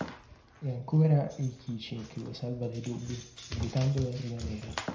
È ancora Eikichi che lo salva dai dubbi, invitandolo a rimanere.